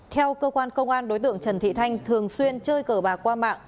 theo cơ quan công an đối tượng trần thị thanh thường xuyên chơi cờ bạc qua mạng